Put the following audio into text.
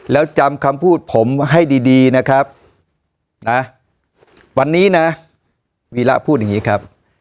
แล้วจำคำพูดผมให้ดีนะครับนะวันนี้นะวีระพูดอย่างนี้ครับ